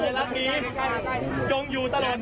ต่อแม่พี่น้องครับ